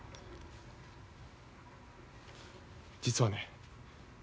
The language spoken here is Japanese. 実はね。